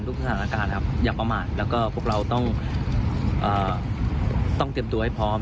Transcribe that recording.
สถานการณ์ครับอย่าประมาทแล้วก็พวกเราต้องเตรียมตัวให้พร้อม